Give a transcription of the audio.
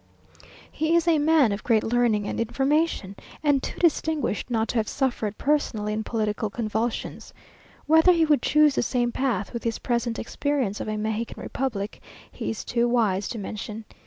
He is a man of great learning and information, and too distinguished not to have suffered personally in political convulsions. Whether he would choose the same path, with his present experience of a Mexican republic, he is too wise to mention.